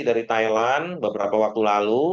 dari thailand beberapa waktu lalu